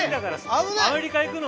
アメリカ行くの？